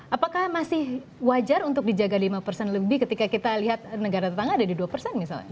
apakah masih wajar untuk dijaga lima persen lebih ketika kita lihat negara tetangga ada di dua persen misalnya